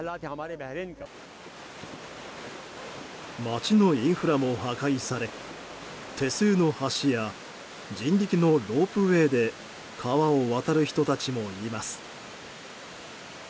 町のインフラも破壊され手製の橋や人力のロープウェーで川を渡る人たちもいます。